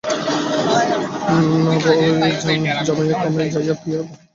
ন বা অরে জায়ায়ৈ কামায় জায়া প্রিয়া ভবত্যাত্মনস্ত্ত কামায় জায়া প্রিয়া ভবতি।